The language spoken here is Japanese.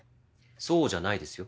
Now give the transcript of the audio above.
そうじゃないですよ。